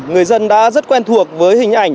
người dân đã rất quen thuộc với hình ảnh